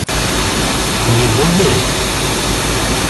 Не будет?